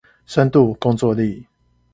深度工作力